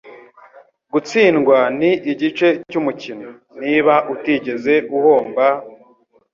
Gutsindwa ni igice cyumukino. Niba utigeze uhomba,